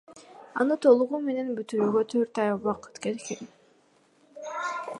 Аны толугу менен бүтүрүүгө төрт ай убакыт кеткен.